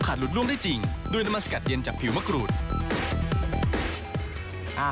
ไทยล่ะเชื่อใครล่ะ